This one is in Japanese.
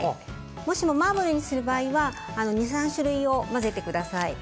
もしもマーブルにする場合は２３種類を混ぜてください。